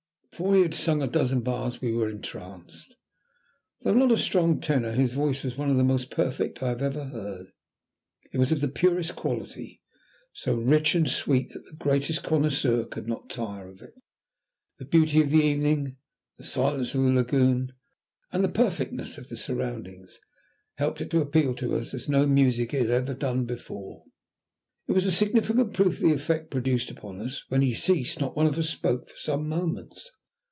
Before he had sung a dozen bars we were entranced. Though not a strong tenor his voice was one of the most perfect I have ever heard. It was of the purest quality, so rich and sweet that the greatest connoisseur could not tire of it. The beauty of the evening, the silence of the lagoon, and the perfectness of the surroundings, helped it to appeal to us as no music had ever done before. It was a significant proof of the effect produced upon us, that when he ceased not one of us spoke for some moments.